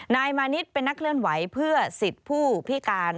นายมานิดเป็นนักเคลื่อนไหวเพื่อสิทธิ์ผู้พิการ